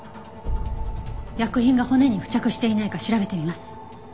薬品が骨に付着していないか調べてみます。